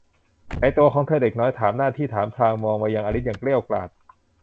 ไหนตั๋วของเธอเด็กน้อย เจ้าหน้าที่ถามพลางมองมายังอลิซอย่างเกรี้ยวกราด